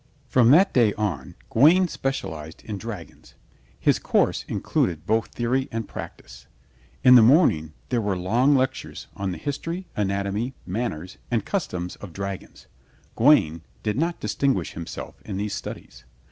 From that day on Gawaine specialized in dragons. His course included both theory and practice. In the morning there were long lectures on the history, anatomy, manners and customs of dragons. Gawaine did not distinguish himself in these studies.